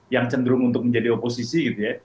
yang cenderung untuk menjadi oposisi gitu ya